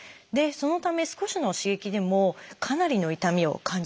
そのため少しの刺激でもかなりの痛みを感じてしまいます。